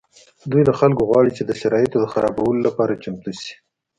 دوی له خلکو غواړي چې د شرایطو د خرابولو لپاره چمتو شي